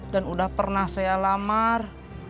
dan udah pernah saya lamar